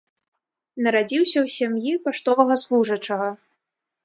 Нарадзіўся ў сям'і паштовага служачага.